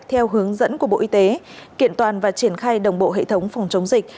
theo hướng dẫn của bộ y tế kiện toàn và triển khai đồng bộ hệ thống phòng chống dịch